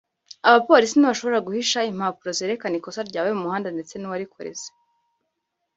abapolisi ntibashobora guhisha impapuro zerekana ikosa ryabaye mu muhanda ndetse n’uwarikoze